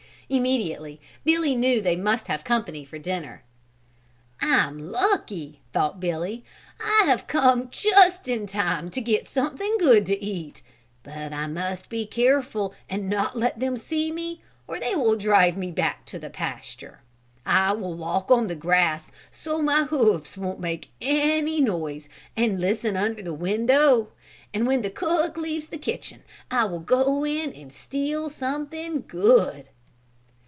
Immediately Billy knew they must have company for dinner. "I'm lucky," thought Billy, "I have come just in time to get something good to eat, but I must be careful and not let them see me or they will drive me back to the pasture. I will walk on the grass so my hoofs won't make any noise and listen under the window, and when the cook leaves the kitchen I will go in and steal something good."